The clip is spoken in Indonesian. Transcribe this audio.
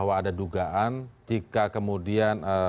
ada dugaan jika kemudian